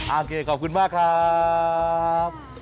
โอเคขอบคุณมากครับ